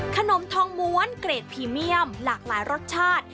ขนมทองม้วนเกรดพรีเมียมหลากหลายรสชาติ